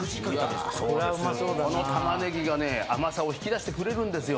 この玉ねぎがね甘さを引き出してくれるんですよ。